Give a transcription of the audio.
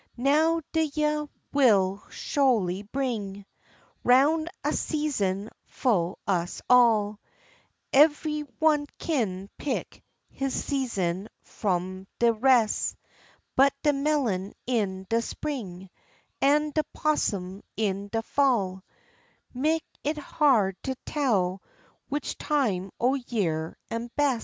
Now, de yeah will sholy bring 'Round a season fu' us all, Ev'y one kin pick his season f'om de res'; But de melon in de spring, An' de 'possum in de fall, Mek it hard to tell which time o' year am bes'.